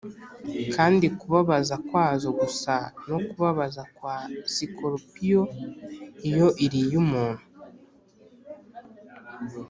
Kandi kubabaza kwazo gusa no kubabaza kwa sikorupiyo iyo iriye umuntu.